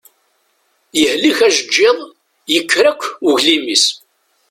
Yehlek ajeǧǧiḍ, yekker akk uglim-is.